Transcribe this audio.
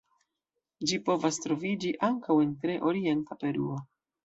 Ĝi povas troviĝi ankaŭ en tre orienta Peruo.